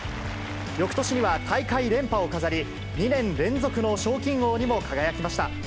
よくとしには大会連覇を飾り、２年連続の賞金王にも輝きました。